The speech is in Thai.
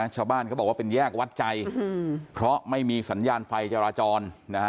ชาวบ้านเขาบอกว่าเป็นแยกวัดใจเพราะไม่มีสัญญาณไฟจราจรนะฮะ